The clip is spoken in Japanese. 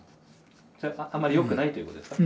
あんまりよくないということですか？